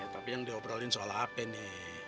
tapi yang diobrolin soal apa nih